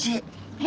え！？